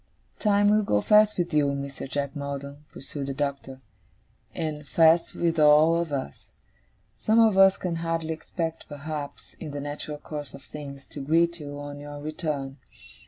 'Time will go fast with you, Mr. Jack Maldon,' pursued the Doctor, 'and fast with all of us. Some of us can hardly expect, perhaps, in the natural course of things, to greet you on your return.